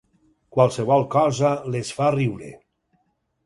Qualsevol cosa les fa riure.